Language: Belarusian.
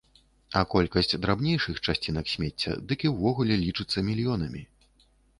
А колькасць драбнейшых часцінак смецця дык і ўвогуле лічыцца мільёнамі.